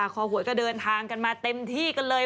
คอหวยก็เดินทางกันมาเต็มที่กันเลย